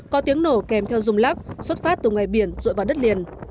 có tiếng nổ kèm theo rung lắp xuất phát từ ngoài biển rụi vào đất liền